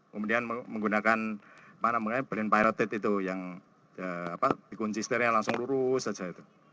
kemudian menggunakan belin pilotate itu yang dikunci stereo langsung lurus saja